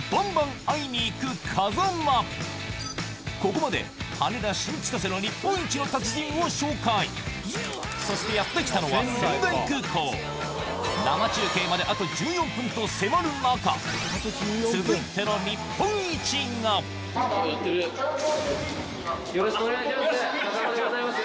ここまでの日本一の達人を紹介そしてやって来たのは仙台空港生中継まであと１４分と迫る中続いてのよろしくお願いします。